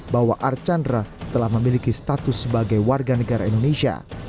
bahwa archandra telah memiliki status sebagai warga negara indonesia